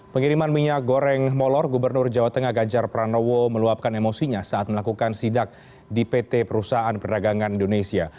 pengiriman minyak goreng molor gubernur jawa tengah ganjar pranowo meluapkan emosinya saat melakukan sidak di pt perusahaan perdagangan indonesia